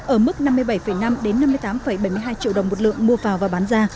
ở mức năm mươi bảy năm năm mươi tám bảy mươi hai triệu đồng một lượng mua vào và bán ra